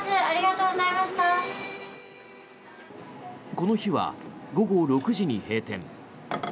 この日は午後６時に閉店。